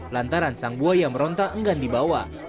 lantaran sang buaya merontak enggan dibawa